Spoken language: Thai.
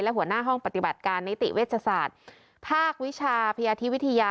หัวหน้าห้องปฏิบัติการนิติเวชศาสตร์ภาควิชาพยาธิวิทยา